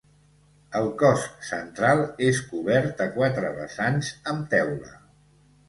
El cos central és cobert a quatre vessants, amb teula.